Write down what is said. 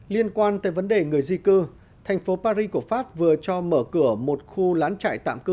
liên quan tới vấn đề người di cư thành phố paris của pháp vừa cho mở cửa một khu lán trại tạm cư